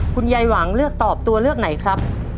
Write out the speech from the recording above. คุณยายหวังเลือกตอบตัวเลือกไหนครับ